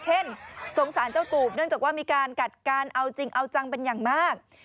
สงสารเจ้าตูบเนื่องจากว่ามีการกัดการเอาจริงเอาจังเป็นอย่างมาก